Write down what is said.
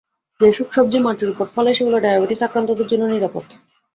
যেসব সবজি মাটির ওপরে ফলে সেগুলো ডায়াবেটিস আক্রান্তদের জন্য নিরাপদ।